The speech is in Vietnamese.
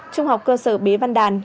trung học cơ sở bế văn đàn